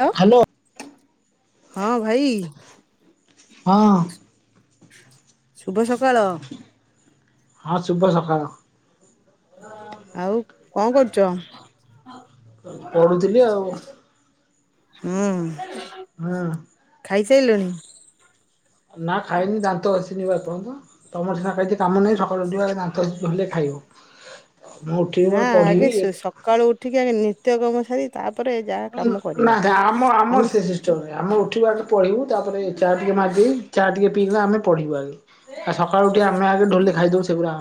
ଲୋ, hello ହଁ ଭାଇ ହଁ ଶୁଭ ସକାଳ। ହଁ ସୁଭ ସକାଳ। ଆଉ କଣ କରୁଚ? ପଢୁଥିଲି ଆଉ ହୁଁ। ହଁ। ଖାଇସାରିଲଣି? ନା ଖାଇନି ଦାନ୍ତ ଘସିନି ପା ଏପର୍ଯ୍ୟନ୍ତ। ତମର ସିନା ଖାଇଛି କାମ ନାହିଁ ସକାଳୁ ଯିବା [unintelligible] ହେଲେ ଖାଇବ। ମୁଁ ଉଠିବି ନା ମୋର ଆଗେ ପଢିବି। ସକାଳୁ ଉଠିକି ଆ ନିତ୍ୟ କାମ ସାରି ତାପରେ ଯାହା କାମ ନା କରିବା। ଗାଁ ଆମ ଆମେ ଆମର ସେ ସିଷ୍ଟମ ଆମେ ଉଠିବା ଆେ ପଳେଇିବୁ ତାପରେ ଚାହା ଟିକେ ମାରିଦେବି। ଚା ଟିକେ ପିଇବା ଆମେ ପଢିବୁ ଆଗେ। ଆ ସକାଳ ଉଠି ଆମେ ଆଗେ ଢୋଲେ ଖାଇଦବୁ ସେଇଗୁଡା।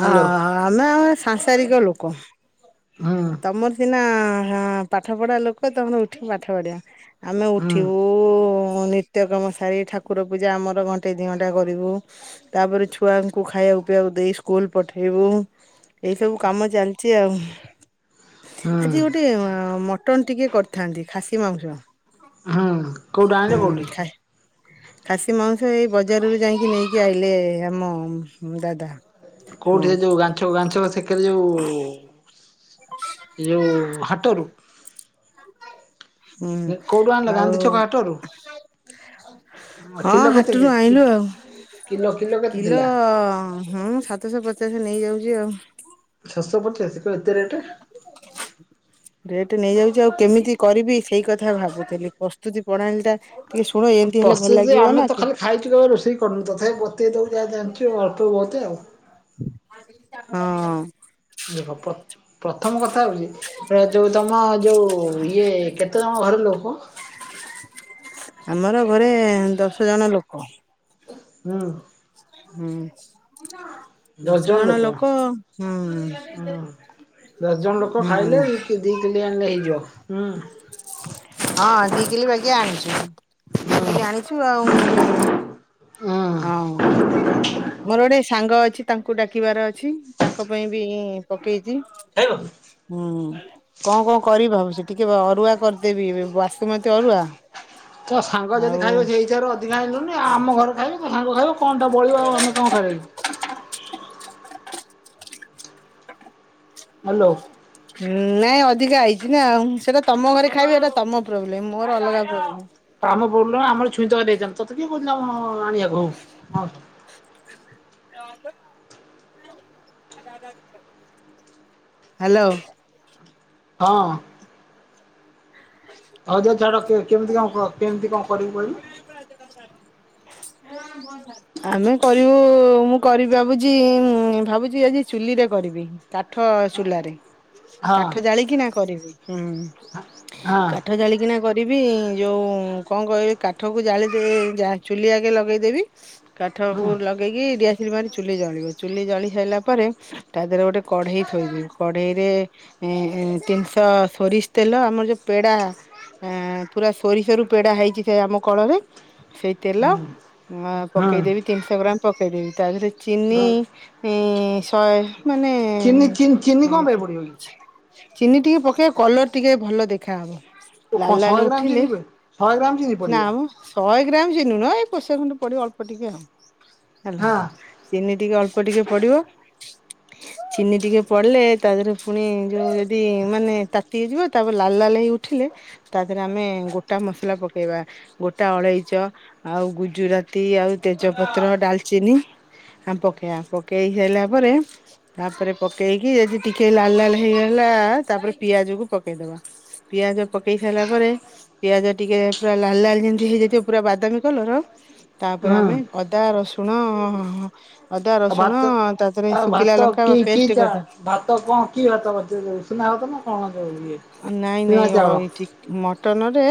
ହ୍ୟାଲୋ ହାଁ। ଆମେ ଆ ସାଂସାରିକ ଲୋକ ହୁଁ ତମର ସିନା ପାଠ ପଢ଼ା ଲୋକ ତମ ଉଠିକି ପାଠ ପଢ଼ିବା ଆମେ ହୁଁ ଉଠିବୁ ନିତ୍ୟ କମ ସାରି ଠାକୁର ପୂଜା ଆମର ଘଣ୍ଟେ ଦି ଘଣ୍ଟା କରିବୁ। ତାପରେ ଛୁଆଙ୍କୁ ଖାଇବା ପିଇବାକୁ ଦେଇ ସ୍କୁଲ ପଠେଇବୁ। ଏଇ ସବୁ କାମ ଚାଲିଛି ଆଉ। ହୁଁ ଆଜି ଗୋଟେ ମଟନ ଟିକେ କରିଥାନ୍ତି ଖାସି ମାଂସ। ହୁଁ କୋଉଠୁ ଆଣିଲୁ ହୁଁ କୋଉଠି। ଖା ଖାସି ମାଉଁସ ଏଇ ବଜାରରୁ ଯାଇକି ନେଇକି ଆଇଲେ ଆମ ଦାଦା। ହଁ କୋଉଠି ସେ ଯୋଉ ଗାଛ ଗାଛ ସେକରେ ଯୋଉ ସେ ଯୋଉ ହାଟରୁ। ହୁଁ କୋଉଠୁ ଆଣିଲ ଗାନ୍ଧୀ ଆଉ ଛକ ହାଟରୁ ହଁ କିଲୋ କେତେ ହାଟରୁ ଆଣିଲୁ ଆଉ କିଲୋ କେତେ କିଲୋ ଥିଲା? ହଁ ସାତଶହ ପଚାଶ ନେଇଯାଉଛି ଆଉ ଛଅଶହ ପଚାଶ କଣ ଏତେ ରେଟ? [inaudible] ରେଟ୍ ନେଇଯାଉଛି ଆଉ କେମିତି କରିବି ସେଇ କଥା ଭାବୁଥିଲି ପ୍ରସ୍ତୁତି ପ୍ରଣାଳୀ ଟା। ଟିକେ ଶୁଣ ଏମିତି ହେଲେ ଭଲ ପ୍ରସ୍ତୁତି ଲାଗିବ ଆମେ ନା ତ କି ଖାଲି ଖାଇଛୁ କେବେ ରୋଷେଇ କରୁନୁ ତଥାପି ବତେଇ ଦବୁ ଯା ଜାଣିଛୁ ଅଳ୍ପ ତୋତେ ଆଉ। ହଁ। ହବ। ପ୍ରଥମ କଥା ହେଉଛି ଯେଉଁ ତୁମ ଯେଉଁ ଇଏ କେତେଜଣ ଘର ଲୋକ? ଆମର ଘରେ ଦଶ ଜଣ ଲୋକ। ହୁଁ। ହୁଁ ଦଶ ଜଣ ଲୋକ ହୁଁ। ହଁ ଦଶ ଜଣ ଲୋକ ଖାଇଲେ ହୁଁ ଦି କିଲି ଆଣିଲେ ହେଇଯିବ ହୁଁ। ହଁ ଦ କିଲେ ବାଗି ଆଣିଛୁ ହୁଁ ଆଣିଛୁ ଆଉ ହୁଁ। ହଁ। ମୋର ଗୋଟେ ସାଙ୍ଗ ଅଛି ତାଙ୍କୁ ଡାକିବାର ଅଛି ତାଙ୍କ ପାଇଁ ବି ପକେଇଛି। [inaudible] ହୁଁ। କଣ କଣ କରିବି ଭାବୁଛି ଟିକେ ଅରୁଆ କରିଦେବି ବାସୁମତୀ ଅରୁଆ। ତ ସାଙ୍ଗ ଯଦି ଆଉ ଖାଇବେ ସେଇଠାରୁ ଅଧିକା ଆଣିଲୁନି ଆ ଆମ ଘରେ ଖାଇବ? ହ ସାଙ୍ଗ ଖାଇବ କଣ ବଲିବ ଆମେ କଣ ଖାଇବା ଲିବୁ ହ ହାଲୋ [inaudible] ହୁଁ ନାଇଁ ଅଧିକା ଆଇଛି ନା ଆଉ ସେଟା ତମ ଘରେ ଖାଇବ ଏଇଟା ତମ ପ୍ରୋବ୍ଲେମ ମୋର ଅଲଗା ପ୍ରୋବ୍ଲେମ୍। ଆମ ପ୍ରୋବଲଲେମ ଆମର ଛୁଇଁ ତରକାରି ହେଇଥାନ୍ତା ତତେ କିଏ କହୁଥିଲା ଆମ ଆଣିବାକୁ ହଉ ହଁ ଆ [inaudible] ହ୍ୟାଲୋ। ହଁ। ହ [inaudible] ହଉ ଯେ ଛାଡ଼ କେମିତି କଣ କେମିତି କଣ କରିବୁ କହିବୁ? ହ [inaudible] ଆମେ କରିବୁ, ମୁଁ କରିିବି ଭାବୁଛି, ଭାବୁଛି ଆଜି ଚୁଲି ରେ କରିବି। କାଠ ଚୁଲାରେ। ହଁ। କାଠ ଜାଳିକି ନା କରିବି। ହୁଁ। ହଁ କାଠ ଜାଳିକିନା କରି ଯିବି ଯୋଉ କଣ କହିଲେ? କାଠ କୁ ଜାଳି ଦେ ଚୁଲି ଆଗେ ଲଗେଇଦେବି। ହୁଁ ହୁଁ କାଠକୁ ଲଗେଇକି ଡିଆସିଲି ମାରି ଚୁଲି ଜଳିବ ଚୁଲି ଜଳି ସାରିଲା ପରେ ତା ଦେହରେ ଗୋଟେ କଢେଇ ଥୋଇବି। କଢେଇ ରେ ଏ ତିନିଶହ ସୋରିଷ ତେଲ ଆମର ଯୋଉ ପେଡା ଆ ପୁରା ସୋରିଷରୁ ପେଡା ହେଇଛି ସେ ଆମ କଳରେ। ସେଇ ତେଲ ହୁଁ ପକେଇଦେବି ହୁଁ। ତିନିଶହ ଗ୍ରାମ ପକେଇଦେବି ତା ଦେହରେ ଚିନି ଇ ଶହେ ମାନେ ଚିନି ଚିନି ଚିନି କଣ ପାଇଁ ପଡିବ କି? ଚିନି ଟିକେ ପକେଇବା କଲର ଟିକେ ଭଲ ଦେଖାହବ। ଲାଲ କଣ ଲାଲ ଶହେ ଗ୍ରାମ ଉଠିଲେ, ଚିନି ଶହେ ଗ୍ରାମ ଚିନି ପଡିବ ନା ମ ଶହେ ଗ୍ରାମ ଚିିନି ନୁହ। ଏଇ ପୋଷା ଖଣ୍ଡେ ପଡିବ ଅଳ୍ପ ଟିକେ ଆଉ ହେଲା। ହଁ ଚିନି ଟିକେ ଅଳ୍ପ ଟିକେ ପଡିବ। ଚିନି ଟିକେ ପଡିଲେ ତା ଦେହରେ ପୁଣି ଯଉ ଯଦି ମାନେ ତାତି ଯାଇଥିବ ତାପରେ ଲାଲ ଲାଲ ହେଇ ଉଠିଲେ ତା ଦେହରେ ଆମେ ଗୋଟା ମସଲା ପକେଇବା। ଗୋଟା ଅଳେଇଚ, ଆଉ ଗୁଜୁରାତି, ଆଉ ତେଜପତ୍ର, ଡାଲଚିନି ଆ ପକେଇଆ। ପକେଇ ସାଇଲା ପରେ ତାପରେ ପକେଇକି, ଏଠି ଟିକେ ଲାଲ୍ ଲାଲ୍ ହେଇଗଲା, ତାପରେ ପିଆଜ କୁ ପକେଇଦବା। ପିଆଜ ପକେଇ ସାଇଲା ପରେ ପିଆଜ ଟିକେ ପୁରା ଲାଲ୍ ଲାଲ୍ ଯେମିତି ହେଇଯାଇଥିବ ପୁରା ବାଦାମୀ କଲର ତାପରେ ହୁଁ ଆମେ ଅଦା ରସୁଣ ଅଦା, ଆଉ ରସୁଣ ଭାତ ତାଦେହରେ ଶୁଖିଲା ଲଙ୍କା ପେଷ୍ଟ କରିଦେ- ତ କଣ କି ଭାତ [inaudible] ଉସୁନାଭାତ ନା କଣ ଯୋଉ ଇଏ ନାଇଁ ଚୁନା ନାଇଁ ଚାଉଳ ଅ ଏଠି ମଟନ ରେ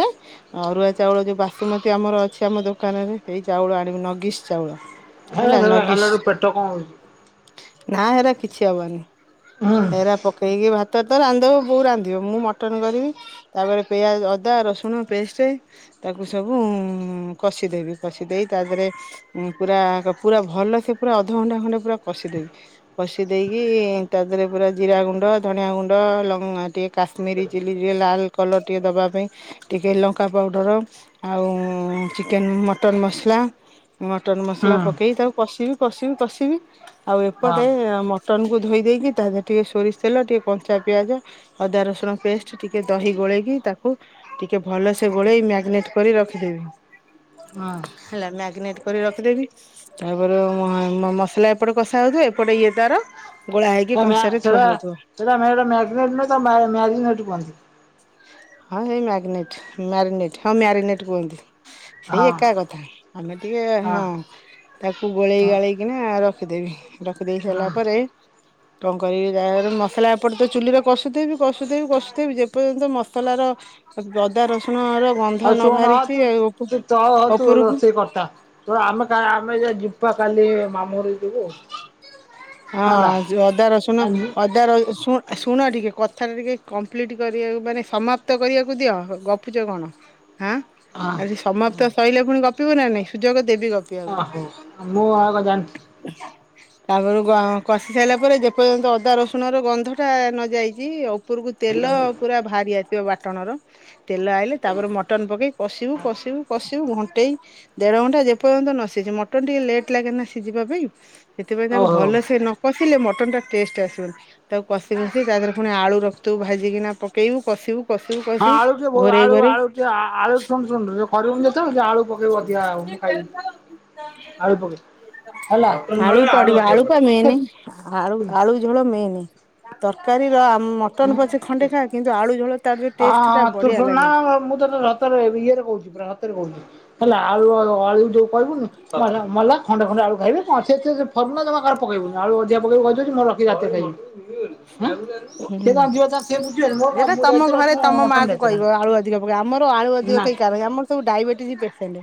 ଅରୁଆ ଚାଉଳ ଯୋଉ ବାସୁମତୀ ଆମର ଅଛି ଆମ ଦୋକାନରେ ସେଇ ଚାଉଳ ଆଣିବି ନଗିସ୍ ଚାଉଳ। ହେରା ହେଲା ସେଗୁରା ନଗିସ୍। ଖାଇଲାଠୁ ପେଟ କଣ ହଉଛି। ନା ହେରା କିଛି ହବନି। ହୁଁ ଏରା ପକେଇକି ଭାତ ତ ରାନ୍ଧଦବ ବୋଉ ରାନ୍ଧ ନ୍ଧିବ। ମୁଁ ମଟନ କରିବି ତାପରେ ପିଆଜ, ଅଦା, ରସୁଣ ପେଷ୍ଟ ତାକୁ ସବୁ କଷିଦେବି କଷିଦେଇ ତା ଦେହରେ ମୁଂ ପୁରା ପୁରା ଭଲ ସେ ପୁରା ଅଧଘଣ୍ଟା ଖଣ୍ଟେ ପୁରା କଷିଦେବି। କଷି ଦେଇକି ତା ଦେହରେ ପୁରା ଜିରା ଗୁଣ୍ଡ, ଧଣିଆ ଗୁଣ୍ଡ ଲଙ୍କା ଟିକେ କାଶ୍ମୀରୀ ଚିଲି ଟିକେ ଲାଲ କଲର୍ ଟିକେ ଦେବା ପାଇଁ ଟିକେ ଲଙ୍କା ପାଉଡ଼ର, ଆଉ ଚିକେନ୍ ମଟନ୍, ମସଲା ମଟନ ହୁଁ ମସଲା ପକେଇ ତାକୁ କଷିବି, କଷିବି, କଷିବି ଆଉ ହଁ ଏପଟେ ମଟନ କୁ ଧୋଇ ଦେଇକି ତା ଦେହରେ ଟିକେ ସୋରିଷ ତେଲ ଟିକେ କଞ୍ଚା ପିଆଜ ଅଦା ରସୁଣ ପେଷ୍ଟ ଟିକେ ଦହି ଗୋଳେଇକି ତାକୁ ଟିକେ ଭଲସେ ଗୋଳେଇ ମ୍ୟାଗନେଟ୍ କରି ରଖିଦେବି। ହୁଁ ହେଲା ମ୍ୟାଗନେଟ୍ କରି ରଖିଦେବି ତାପରେ ଉଁ ମସଲା ଏପଟେ କଷା ହଉଥିବ ଏପଟେ ଇଏ ତାର ଗୋଳା ହେଇକି କଂସାରେ ଥୁଆ ସେଟା ହଉଥିବ ମ୍ୟା ମ୍ୟାଗନେଟ୍ ନୁହଁ ତାକୁ ମ୍ୟାରିନେଟ୍ କୁହନ୍ତି। ହଁ ସେଇ ମ୍ୟାଗନେଟ୍, ମ୍ୟାରିନେଟ୍ ହଁ ମ୍ୟାରିନେଟ୍ କୁହନ୍ତି। ସେଇ ହଁ ଏକା କଥା, ଆମେ ଟିକେ ହଁ ତାକୁ ଗୋଳେଇ ହଁ ଗାଳେଇ କିିନା ରଖିଦେବି। ରଖିଦେଇ ହଁ ସାରିଲା ପରେ କଣ କହିବି ତା ପରେ ମସଲା ଏପଟେ ତ ଚୁଲିରେ କଷୁଥିବି କଷୁଥିବି କଷୁଥିବି ଯେପର୍ଯ୍ୟନ୍ତ ମ ସଲାର ସ ଅଦା ରସୁଣର ଗନ୍ଧ ଆଉ ନ ଶୁଣୁ ହଁ ତୁ ବାହାରିଛି ଓପ ଉପରକୁ ତ ଆମେ କା ଆମେ ଯିବୁ ପା କାଲି ମାମୁଁ ଘରକୁ ଯିବୁ। ହଁ ହେଲା। ଆସିବ ଅଦା ରସୁଣ ଆଜି ଅଦା ର ସୁଣ ଆ ଶୁଣ ଟିକେ କଥା ଟା ଟିକେ କମ୍ପ୍ଲିଟ୍ କରିବାକୁ ମାନେ ସମାପ୍ତ କରିବାକୁ ଦିଅ ଗପୁଛ କଣ ହାଁ ହଁ ଆଜି ହଁ ସମାପ୍ତ ସରିଲେ ପୁଣି ଗ ପିବ ନା ନାଇଁ ସୁଯୋଗ ଦେବି ଗ ଓହୋ ଆଉ ମୁଁ ଆଉ କ ଜାଣିଛି। ହ ତାପରକୁ ଆମେ କଷି ସାରିଲା ପରେ ଯେପର୍ଯ୍ୟନ୍ତ ଅଦା ରସୁଣ ର ଗନ୍ଧ ଟା ନଯାଇଛି ଓ ଉପରକୁ ତେଲ ପୁରା ବାହାରି ଆସିଥିବ ବାଟଣ ର ତେଲ ଆଇଲେ ତାପରେ ମଟନ ପକେଇ କଷିବୁ କଷିବୁ କଷିବୁ ଘଣ୍ଟେଇ ଦେଢ ଘଣ୍ଟା ଯେପର୍ଯ୍ୟନ୍ତ ନ ସିଝେ ମଟନ ଟିକେ ଲେଟ ଲାଗେ ନା ସିଝିବା ପାଇଁ ସେଥିପାଇଁ ଓ ତାକୁ ହଉ। ଭଲସେ ନ କଷିଲେ ମଟନ୍ ଟା ଟେଷ୍ଟ ଆସିବନି। ତାକୁ କଷି କଷି ତା ଦେହରେ ପୁଣି ଆଳୁ ରଖିଥିବୁ ଭାଜିକିନା ପକେଇବୁ କଷିବୁ କଷିବୁ ହଁ କଷିବୁ ଆଳୁ ଟିକେ ବହୁ ଘୋରେଇ ଆଳୁ ଘୋରେଇ ଆଳୁ ଟେ ଆଳୁ ଶୁଣ ଶୁଣୁ କରିବୁନି ତ ଯେତେବେ ଆଳୁ ପକେଇବୁ ଅଧିକା ମୁଁ ଖାଇବି। ଆଳୁ ପକେଇ ହେଲା ଆଳୁ ହଁ ପଡିବ ଆଳୁ ପା ମେନ ଆଳୁ ଆଳୁ ଝୋଳ ମେନ୍ ତରକାରୀର ମଟନ ପଛେ ଖଣ୍ଡେ ଖା କିନ୍ତୁ ଆଳୁ ଝୋଳ ତାର ଯୋଉ ଟେଷ୍ଟ ଟା ହଁ ତୁ ବଢିଆ ଶୁନା ଲାଗେ। ମୁଁ ତତେ ଧ ତରେ ଇଏରେ କହୁଛି ପୁରା ସତରେ କହୁଛି ହେଲା ଆଳୁ ଆଳୁ ଆଳୁ ଯୋଉ କହିବୁନି ମଲା ଖଣ୍ଡେ ଖଣ୍ଡେ ଆଳୁ ଖାଇବେ ସେଥିରେ ଫର୍ମୁଲା ଜମା କାହାର ପକେଇବୁନୁ ଆଳୁ ଅଧିକା ପକେଇବୁ କହି ମୋର ରଖିକି ରାତିରେ ଖାଇବି ହଁ ସେ ତାର ଯିବେ ତାର ସେ ବୁଝିବେନି ମୁଁ ଏଇଟା ତମ ଦାୟିତ୍ୱ ରେ ଅ ଘରେ ତମ ମା କୁ କହିବ ଆଳୁ ଅଧିକ ପକେଇବେ। ଆମର ଆଳୁ ଅଧିକ ନା କେଇ ଖାଇବେନି ଆମର ସବୁ ଡାଇବେଟିସ ପେସେଣ୍ଟ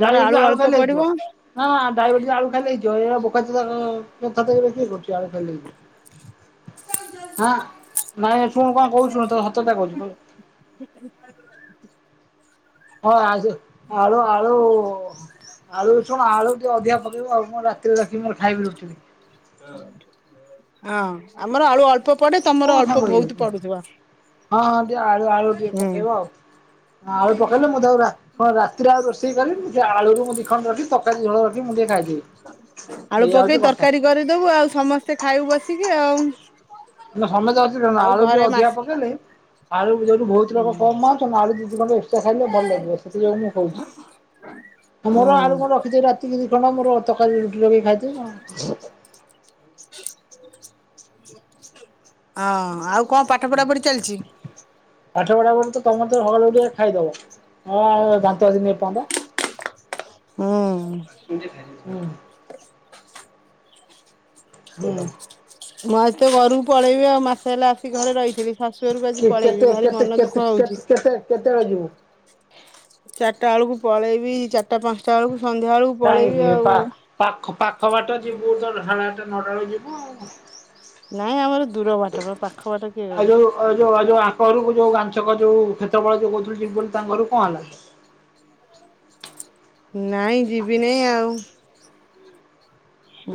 ଆମର ଆଳୁ ଅଳ୍ପ ପଡିବ ହଁ ଡାଇବେଟିସ୍ ଆଳୁ ଖାଇଲେ ହେଇଯିବ ଏ ବୋକାଚୋଦା ବୋକାଚୋଦା ଟା କିଏ କରୁଛି ଆଳୁ ଖାଇଲେ ହେଇଯିବ ହଁ ନାଇଁ ଶୁଣ କଣ କହୁଛି ଶୁଣ ତତେ ସତ କଥା କହୁଛି ହଁ ଆ ଆଳୁ ଆଳୁ ଆଳୁ ଶୁଣ ଆଳୁ ଟିକେ ଅଧିକା ପକେଇବୁ ଆଉ ମୋର ରା ତିରେ ରଖି ମୋର ଖାଇବି ରୁଟି ହଁ ଆମର ଆଳୁ ଅଳ୍ପ ପଡେ କଣ ତମର ଅଳ୍ପ ସାଙ୍ଗ ବହୁତ ହେଇଯାଉଚୁ ପଡୁଥିବ ହଁ ହଁ ଟିକେ ହୁଁ। ହଁ ଆଳୁ ପକେଇଲେ ମୁଁ ତାକୁ ରା ହଁ ରାତିରେ ଆଉ ରୋଷେଇ କରିବିନି ସେ ଆଳୁକୁ ମୁ ଦିଖଣ୍ଡ ରଖି ତରକାରୀ ଝୋଳ ରଖି ମୁଁ ଟିକେ ଖାଇଦିଏ। ଆଳୁ ପକେଇ ତରକାରୀ କରିଦବୁ ଆଉ ସମସ୍ତେ ଖାଇବୁ ବସିକି ଆଉ। ନା ସମସ୍ତେ ଅଛନ୍ତି ନା ନା ଆଉ ଆଳୁ ଟିକେ ଘରେ ମାସ ଅଧିକା ପକେଇଲେ ଆଳୁ ଯୋଉଠି ବହୁତ ଲୋକ କମ ଆଉଛନ୍ତି ଆଳୁ ଦି ଦି ଖଣ୍ଡ ଏକ୍ସଟ୍ରା ଖାଇଲେ ଭଲ ଲାଗିବ ସେଥିପାଇଁ ମୁଁ କହୁଛି। ଆଉ ହୁଁ ମୋର ଆଳୁ କଣ ରଖିଥିବ ରାତିକିି ଦି ଖଣ୍ଡ ମୋର ତରକାରୀ ରୁଟି ଲଗେଇ ଖାଇଦେବି ଆଉ। ହଁ ଆଉ କଣ ପାଠ ପଢ଼ାପଢ଼ି ଚାଲିଛି? ପାଠ ପଢ଼ାପଢ଼ି ତମେ ତ ହଲ୍ ଭିତରେ ଖାଇଦବ। ହଁ ଦାନ୍ତ ଆସିନି ହୁଁ। ଏପର୍ଯ୍ୟନ୍ତ ହୁ। ହୁଁ ହୁଁ ମୁଁ ଆଜି ତ ଘରକୁ ପଳେଇବି ଆଉ ମାସେ ହେଲା ଆସିି ଘରେ ରହିଥିଲି ଶାଶୁ ଘରକୁ କେ ଆଜି କେତେ ପଳେଇବି ଭାରି କେତେ ମନ କେତେ ଦୁଃଖ କେତେ ହଉଛି। କେତେ କେତେବେଳେ ଯିବୁ? ଚାରିଟା ବେଳକୁ ପଳେଇବି ଚାରିଟା ପାଞ୍ଚଟା ବେଳକୁ ସନ୍ଧ୍ୟା ବେଳକୁ ପଳେଇବି କାହିଁକି ଆଉ। ପା ପାଖ ପାଖ ବାଟ ଯିବୁ ତ ସାଢେଆଠଟା ନଅଟା ବେଳକୁ ଯିବୁ ଆଉ। ନାଇଁ ଆମର ଦୂର ବାଟ ପା ପାଖ ବାଟ କିଏ କହିଲା? ଏଯୋଉ ଏଯୋଉ ଆଙ୍କ ଘରକୁ ଯୋଉ ଗାଞ୍ଚକ ଯୋଉ କ୍ଷେତ୍ରପାଳ ଯୋଉ କୋଉଥିଲୁ ଯିବୁ ବୋଲି ତାଙ୍କ ଘରକୁ କଣ ହେଲା? ନାଇଁ ଯିବିନେଇ ଆଉ।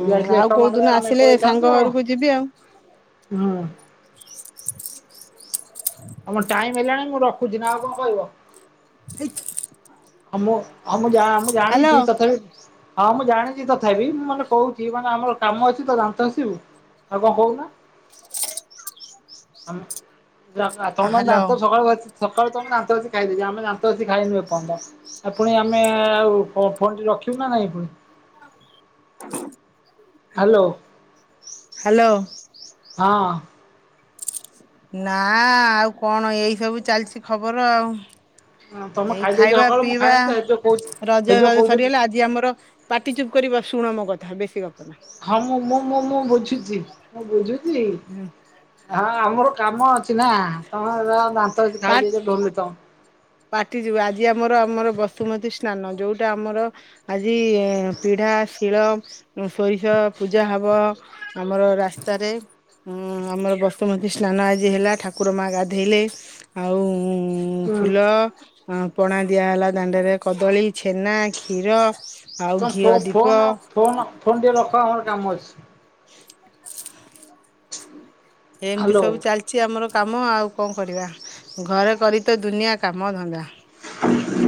ତୁ ଯାଇଥିଲେ ଆଉ ଏକ କୋଉ ଦିନ ମାଟରେ ଆମେ ଆସିଲେ ସାଙ୍ଗ ଘରକୁ ଯିବି ଆଉ। ପଳେଇଥାନ୍ତୁ ହୁଁ। ଆମ ଟାଇମ ହେଲାଣି ମୁଁ ରଖୁଛି ନା ଆଉ କଣ କହିବ? ହେଇ। ଆମ ଆଉ ମୁ ଆଉ ମୁ ଜାଣିଛି ତଥାପି ହଁ ମୁଁ ଜାଣିଛି ତଥାପି ମୁଁ ମାନେ କୋହୁଛି ମାନେ ଆମର କାମ ଅଛି ତ ଦାନ୍ତ ଘସିବୁ ଆଉ କଣ କଉନା? ତମେ ଦାନ୍ତ ହ୍ୟାଲୋ। ସକାଳୁ ଘସି ସକାଳୁ ତମେ ଦାନ୍ତ ଘସି ଖାଇଦେଇଛ ଆମେ ଦାନ୍ତ ଘସି ଖାଇନୁ ଏ ପର୍ଯ୍ୟନ୍ତ ପୁଣି ଆମେ ଆଉ ଫୋନଟି ରଖିବୁ ନା ନାହିଁ ପୁଣି। ହାଲୋ। ହେଲୋ। ହଁ। ନା ଆଉ କଣ ଏଇସବୁ ଚାଲିଛି ଖବର ଆଉ। ତମେ ଏଇ ଖାଇଦେଇଛ ଖାଇବା ସକାଳୁ ମୁଁ ପିଇବା ଖାଇନି ତ ହେଇ ଯୋଉ କହୁଛି ହେଇ ଯୋଉ ରଜବାଜ କହୁଥିଲି ସରିଗଲା ଆଜି ଆମର ପାଟିଚୁପ୍ କରିବା ଶୁଣ ମୋ କଥା ବେଶୀ ଗପ ନା। ହଁ ମୁଁ ମୁଁ ମୁଁ ମୁଁ ବୁଝୁଛି ମୁଁ ବୁଝୁଛି। ହଁ ଆମର କାମ ଅଛି ନା ତମେ ତ ଦାନ୍ତ ଘସି ପା ଖାଇଦେଇଛ ଢୋଲ ତମ ପାଟି ଯିବୁ ଆଜି ଆମର ଆମର ବସୁମତୀ ସ୍ନାନ ଯୋଉଟା ଆମର ଆଜି ପିଢା ଶିଳ ସରିଷ ପୂଜା ହବ ଆମର ରାସ୍ତାରେ ହୁଁ ଆମର ବସୁମତୀ ସ୍ନାନ ଆଜି ହେଲା ଠାକୁର ମା ଗାଧୋଇଲେ ଆଉ ତମେ। ଫୁଲ ପଣା ଦିଆହେଲା ଦାଣ୍ଡରେ କଦଳୀ ଛେନା କ୍ଷୀର। ଆଉ ଘିଅ ଦୀପ। ଫୋନ୍ ଫୋନ ଟିକେ ରଖ ଆମର କାମ ଅଛି। ଏମିତି ହ୍ୟାଲୋ ସବୁ ଚାଲିଚ ଅଛି ଆମର କାମ ଆଉ କଣ କରିବା ଘରେ କରି ତ ଦୁନିଆ କାମ ଧନ୍ଦା।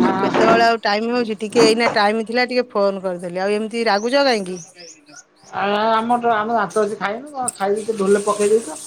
ଆଉ କେତେବେଳେ ଆଉ ଟାଇମ ହୋଉଚି ଟିକେ ଏଇନା ଟାଇମ ଥିଲା ଟିକେ ଫୋନ କରିଦେଲି ଆଉ ଏମିତି ରାଗୁଛ କାହିଁକି। ଆ ଆମର ତ ଦାନ୍ତ ଘଷି ଖାଇନୁ ଖାଇ ଦେଇକି ଢୋଲ ପକେଇ ଦେଇଛ।